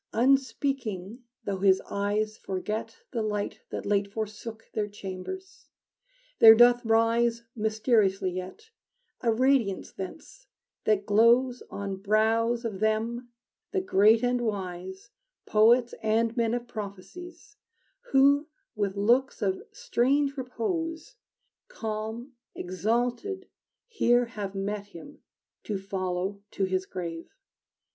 Unspeaking, though his eyes forget The light that late forsook Their chambers, there doth rise Mysteriously yet A radiance thence that glows On brows of them, the great and wise, Poets and men of prophecies, Who, with looks of strange repose, Calm, exalted, here have met Him to follow to his grave.